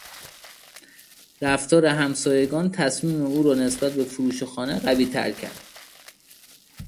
رفتار همسایگان تصمیم او را نسبت به فروش خانه قویتر کرد.